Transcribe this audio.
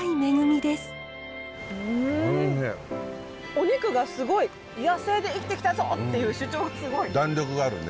お肉がすごい野生で生きてきたぞっていう主張がすごい！弾力があるね。